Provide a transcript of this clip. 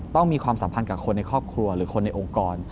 มีความสัมพันธ์กับคนในครอบครัวหรือคนในองค์กร